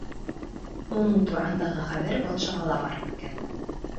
Уның тураһындағы хәбәр батшаға ла барып еткән.